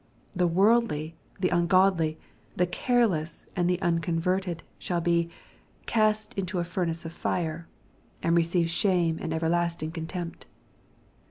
The worldly, the ungodly, the careless, and the unconverted shall be " cast into a furnace of fire," and receive shame and everlasting contempt.